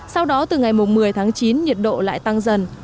sau đó từ ngày mùng một mươi chín nhiệt độ lại tăng dần